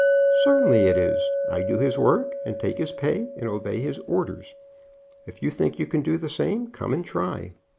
"Certainly it is. I do his work, and take his pay, and obey his orders. If you think you can do the same, come and try.